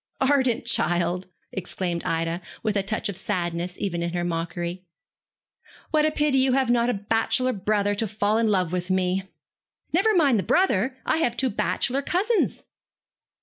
'Ardent child!' exclaimed Ida, with a touch of sadness even in her mockery. 'What a pity you have not a bachelor brother to fall in love with me!' 'Never mind the brother. I have two bachelor cousins.'